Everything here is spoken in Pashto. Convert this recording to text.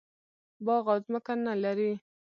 باغ او ځمکه نه لري.